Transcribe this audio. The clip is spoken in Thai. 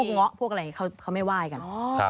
เงาะพวกอะไรเขาไม่ไหว้กัน